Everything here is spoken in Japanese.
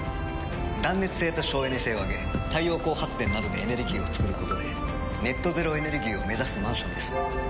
断熱性と省エネ性を上げ太陽光発電などでエネルギーを創ることでネット・ゼロ・エネルギーを目指すマンションです。